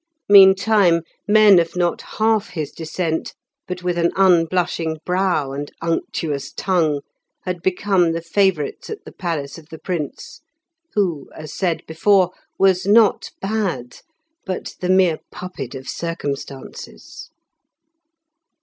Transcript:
Meantime, men of not half his descent, but with an unblushing brow and unctuous tongue, had become the favourites at the palace of the Prince, who, as said before, was not bad, but the mere puppet of circumstances.